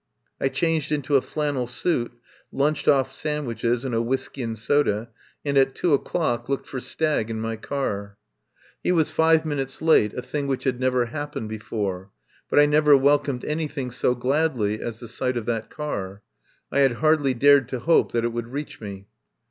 I changed into a flannel suit, lunched off sandwiches and a whisky and soda, and at two o'clock looked for Stagg and my car. He was 169 THE POWER HOUSE five minutes late, a thing which had never happened before. But I never welcomed anything so gladly as the sight of that car. I had hardly dared to hope that it would reach me.